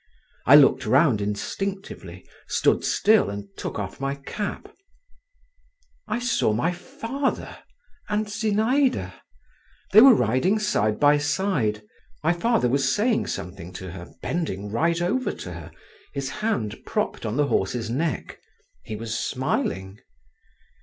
I looked round instinctively, stood still and took off my cap. I saw my father and Zinaïda. They were riding side by side. My father was saying something to her, bending right over to her, his hand propped on the horses' neck, he was smiling.